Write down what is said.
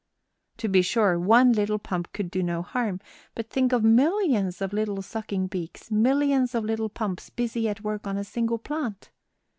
To be sure, one little pump could do no harm; but think of millions of little sucking beaks, millions of little pumps busy at work on a single plant!